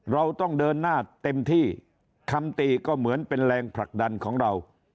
เราต้องเดินหน้าเต็มที่คำตีก็เหมือนเป็นแรงผลักดันของเรา